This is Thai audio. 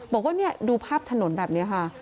บอกว่านี่ดูภาพถนนแบบนี้ค่ะ